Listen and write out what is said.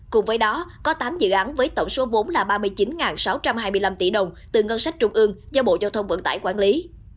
cùng với đó có tám dự án với tổng số vốn là ba mươi chín sáu trăm hai mươi năm tỷ đồng từ ngân sách trung ương do bộ giao thông vận tải quản lý